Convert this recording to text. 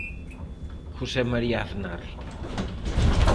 José María Aznar.